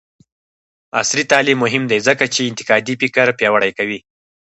عصري تعلیم مهم دی ځکه چې انتقادي فکر پیاوړی کوي.